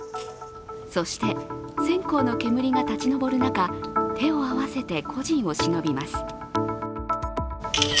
そして線香の煙が立ち上る中、手を合わせて故人をしのびます。